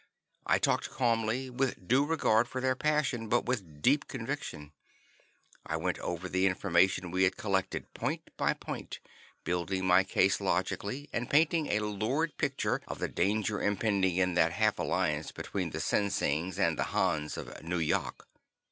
I talked calmly, with due regard for their passion, but with deep conviction. I went over the information we had collected, point by point, building my case logically, and painting a lurid picture of the danger impending in that half alliance between the Sinsings and the Hans of Nu yok.